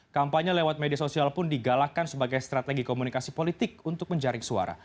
kampanye lewat media sosial pun digalakkan sebagai strategi komunikasi politik untuk menjaring suara